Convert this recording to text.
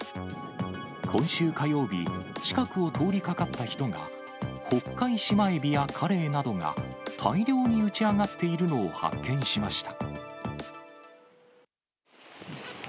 今週火曜日、近くを通りかかった人が、ホッカイシマエビやカレイなどが大量に打ち上がっているのを発見しました。